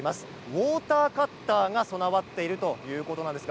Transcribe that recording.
ウォーターカッターが備わっているということです。